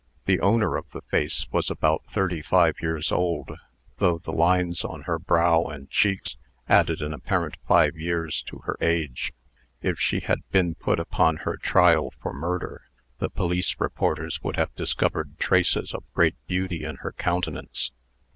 The owner of the face was about thirty five years old, though the lines on her brow and cheeks added an apparent five years to her age. If she had been put upon her trial for murder, the police reporters would have discovered traces of great beauty in her countenance.